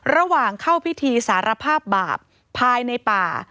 ระหว่างเข้าพิธีสารภาพบาปภายในป่า